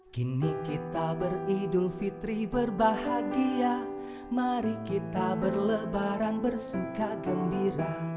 kini kita beridul fitri berbahagia mari kita berlebaran bersuka gembira